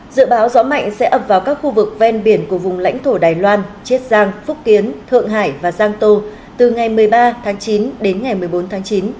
dự báo gió mạnh sẽ ập vào các khu vực ven biển của vùng lãnh thổ đài loan chiết giang phúc kiến thượng hải và giang tô từ ngày một mươi ba tháng chín đến ngày một mươi bốn tháng chín